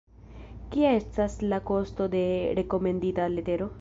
Kia estas la kosto de rekomendita letero?